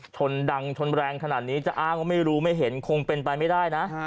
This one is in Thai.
ชนดังชนแรงขนาดนี้จะอ้างว่าไม่รู้ไม่เห็นคงเป็นไปไม่ได้นะ